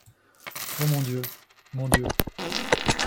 Ô mon Dieu! mon Dieu !